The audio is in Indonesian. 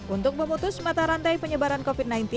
untuk memutus mata rantai penyebaran covid sembilan belas